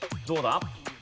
どうだ？